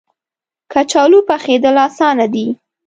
کچالو پخېدل اسانه دي